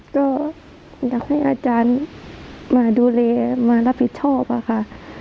ก็อยากให้อาจารย์มาดูแลมารับผิดชอบค่ะ